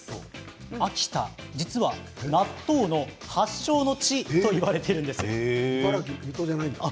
秋田、実は納豆の発祥の地といわれているんです。